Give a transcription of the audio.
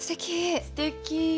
すてき！